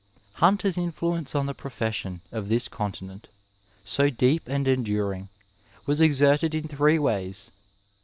Hunter's influence on the profession of this continent, so deep and enduring, was exerted in three ways.